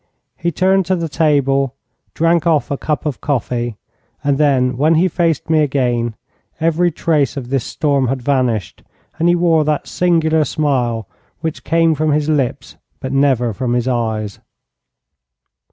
He turned to the table, drank off a cup of coffee, and then when he faced me again every trace of this storm had vanished, and he wore that singular smile which came from his lips but never from his eyes.